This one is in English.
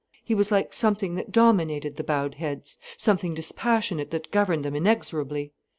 He was like something that dominated the bowed heads, something dispassionate that governed them inexorably.